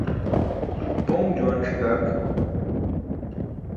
Poṅ juwan ṣikark.